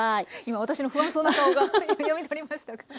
今私の不安そうな顔が読み取りましたか。